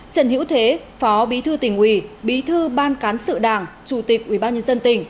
trần hữu thế phó bí thư tỉnh ủy bí thư ban cán sự đảng chủ tịch ubnd